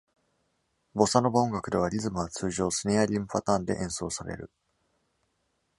ボサノバ音楽では、リズムは通常スネアリムパターンで演奏される。